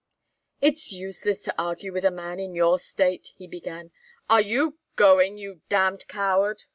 "It's useless to argue with a man in your state " he began. "Are you going, you damned coward?"